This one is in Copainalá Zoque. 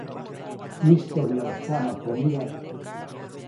ʼYistyoʼbyaʼuŋ tsaʼmakomidaʼm.